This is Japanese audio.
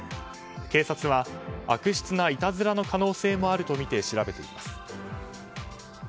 警察は悪質ないたずらの可能性もあるとみて、調べています。